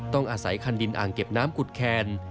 ต้องอาศัยคันดินอ่างเก็บน้ำกุดแคน